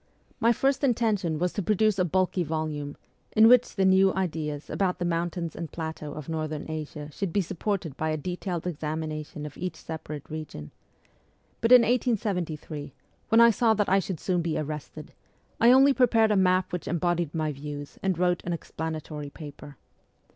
My first intention was to produce a bulky volume, in which the new ideas about the mountains and plateaux of Northern Asia should be supported by a detailed examination of each separate region ; but in 1873, when I saw that I should soon be arrested, I only prepared a map which embodied my views and wrote an explanatory paper.